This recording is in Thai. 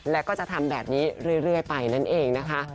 แล้วก็จะทำแบบนี้เรื่อยไปนั่นเองนะคะ